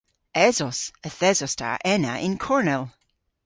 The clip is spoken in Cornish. Esos. Yth esos ta ena y'n kornel.